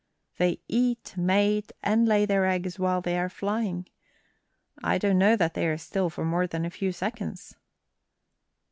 They eat, mate, and lay their eggs while they are flying. I don't know that they are still for more than a few seconds."